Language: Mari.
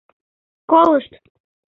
— Колышт...